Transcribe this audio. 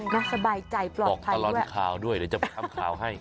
ก็สบายใจปลอดภัยด้วยบอกตะล้อนขาวด้วยเดี๋ยวจะทำขาวให้